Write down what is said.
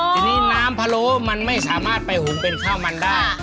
ทีนี้น้ำพะโล้มันไม่สามารถไปหุงเป็นข้าวมันได้